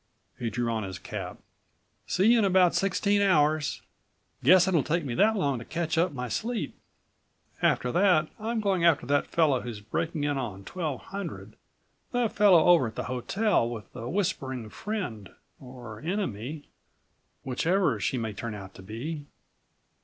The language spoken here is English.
He drew on his cap. "See you in about sixteen hours. Guess it'll take me that long to catch up my sleep. After that I'm going after that fellow who's breaking in on 1200, that fellow over at the hotel with the whispering friend, or enemy, whichever she may turn out to be."